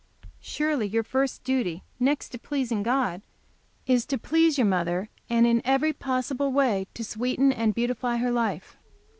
Surely your first duty, next to pleasing God, is to please your mother, and in every possible way to sweeten and beautify her life.